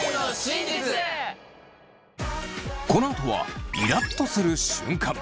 このあとはイラっとする瞬間。